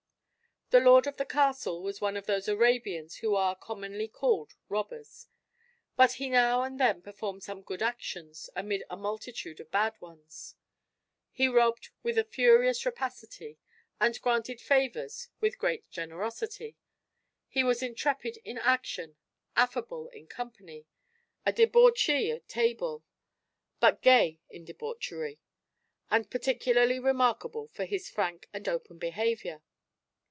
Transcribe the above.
The lord of the castle was one of those Arabians who are commonly called robbers; but he now and then performed some good actions amid a multitude of bad ones. He robbed with a furious rapacity, and granted favors with great generosity; he was intrepid in action; affable in company; a debauchee at table, but gay in debauchery; and particularly remarkable for his frank and open behavior.